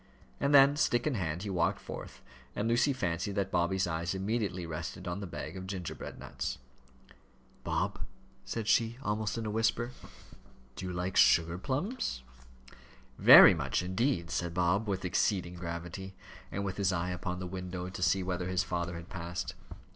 And then, stick in hand, he walked forth, and Lucy fancied that Bobby's eyes immediately rested on the bag of gingerbread nuts. "Bob," said she, almost in a whisper, "do you like sugar plums?" "Very much indeed," said Bob, with exceeding gravity, and with his eye upon the window to see whether his father had passed.